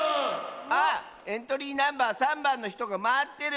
あっエントリーナンバー３ばんのひとがまってる！